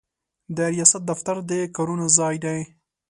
د ریاست دفتر د کارونو ځای دی.